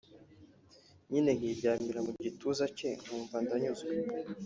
nyine nkiryamira mu gituza cye nkumva ndanyuzwe